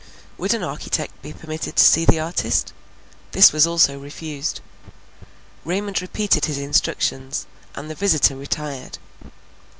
Would an architect be permitted to see the artist? This also was refused. Raymond repeated his instructions, and the visitor retired.